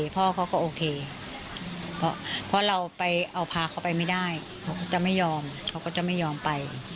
พ่อเขาก็โอเคเพราะเราไปเอาพาเขาไปไม่ได้เขาก็จะไม่ยอมเขาก็จะไม่ยอมไป